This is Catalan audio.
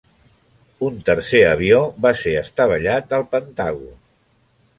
Un tercer avió va ser estavellat al Pentàgon.